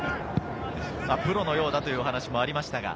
プロのようだというお話もありました。